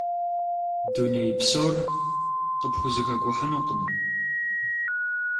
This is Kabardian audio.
Дуней псор къыпхузэхэкӀухьынукъым.